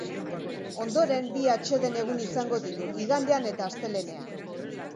Ondoren, bi atseden egun izango ditu igandean eta astelehenean.